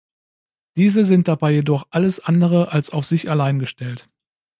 Diese sind dabei jedoch alles andere als auf sich allein gestellt.